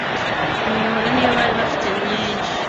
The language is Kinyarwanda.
imihoro niyo bari bafite myinshi